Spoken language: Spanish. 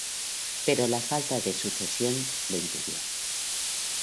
Pero la falta de sucesión lo impidió.